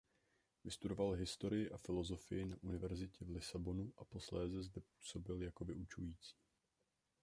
Vystudoval historii a filozofii na Univerzitě v Lisabonu a posléze zde působil jako vyučující.